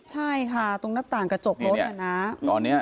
ใช่ค่ะตรงหน้าต่างกระจกลดเนี่ยนะ